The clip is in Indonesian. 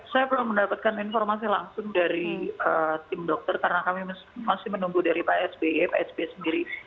saya belum mendapatkan informasi langsung dari tim dokter karena kami masih menunggu dari pak sby pak sby sendiri